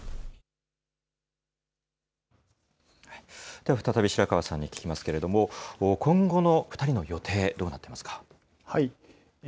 では再び、白川さんに聞きますけれども、今後の２人の予定、どうなっていますか。